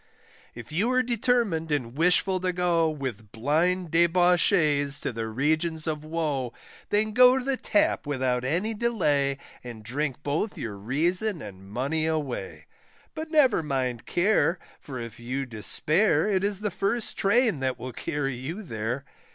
If you are determined and wishful to go, With blind debauchees to the regions of woe, Then go to the Tap without any delay, And drink both your reason and money away, But never mind care, for if you despair, It is the first train that will carry you there.